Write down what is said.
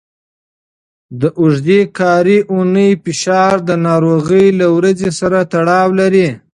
د اوږدې کاري اونۍ فشار د ناروغۍ له ورځې سره تړاو لري.